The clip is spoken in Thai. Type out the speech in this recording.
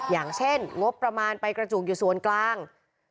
อย่างเช่นงบประมาณไปกระจุกอยู่ส่วนกลาง